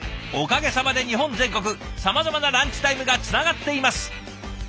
おかげさまで日本全国さまざまなランチタイムがつながっています。